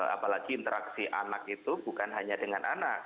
apalagi interaksi anak itu bukan hanya dengan anak